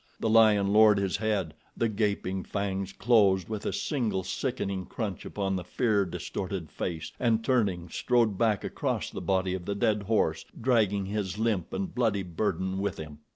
The lion lowered his head, the gaping fangs closed with a single sickening crunch upon the fear distorted face, and turning strode back across the body of the dead horse dragging his limp and bloody burden with him.